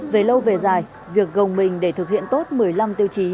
về lâu về dài việc gồng mình để thực hiện tốt một mươi năm tiêu chí